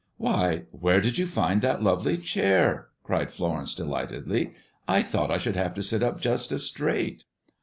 "Why, where did you find that lovely chair?" cried Florence delightedly. "I thought I should have to sit up just as straight!"